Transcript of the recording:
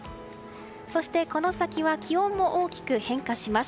そして、この先は気温も大きく変化します。